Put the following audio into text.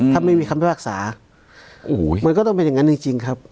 ถ้าไม่มีคำพิพากษาโอ้โหมันก็ต้องเป็นอย่างนั้นจริงครับ